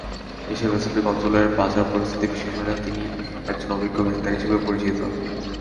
Asia Pacific অঞ্চলের বাজার পরিস্থিতি বিশ্লেষণে তিনি একজন অভিজ্ঞ ব্যাংকার হিসেবে পরিচিত।